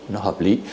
nó hợp lý